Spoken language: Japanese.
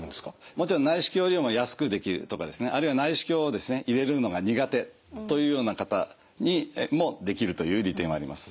もちろん内視鏡よりも安くできるとかですねあるいは内視鏡を入れるのが苦手というような方にもできるという利点はあります。